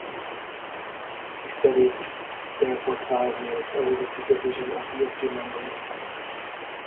He studied there for five years under the supervision of Mufti Mahmood.